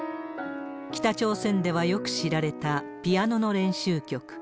北朝鮮ではよく知られたピアノの練習曲。